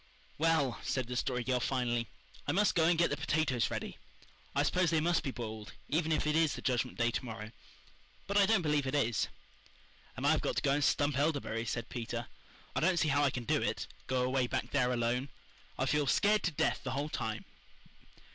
"Well," said the Story Girl finally. "I must go and get the potatoes ready. I suppose they must be boiled even if it is the Judgment Day to morrow. But I don't believe it is." "And I've got to go and stump elderberries," said Peter. "I don't see how I can do it go away back there alone. I'll feel scared to death the whole time."